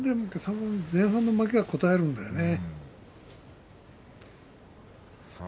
前半の負けがこたえるんだよね。